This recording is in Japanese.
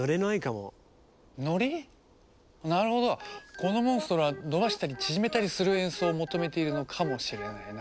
このモンストロは伸ばしたり縮めたりする演奏を求めているのかもしれないな。